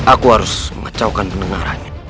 aku harus mengecawkan pendengarannya